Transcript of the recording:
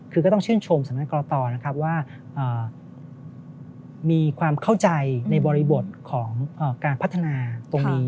คือก็ต้องชื่นชมสำนักกรตนะครับว่ามีความเข้าใจในบริบทของการพัฒนาตรงนี้